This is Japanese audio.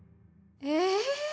え。